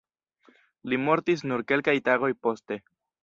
Li mortis nur kelkaj tagoj poste.